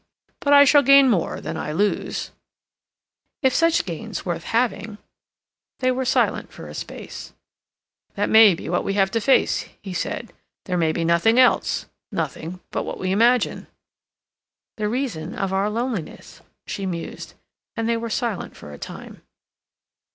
But I shall gain more than I lose." "If such gain's worth having." They were silent for a space. "That may be what we have to face," he said. "There may be nothing else. Nothing but what we imagine." "The reason of our loneliness," she mused, and they were silent for a time.